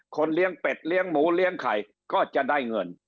เลี้ยงเป็ดเลี้ยงหมูเลี้ยงไข่ก็จะได้เงิน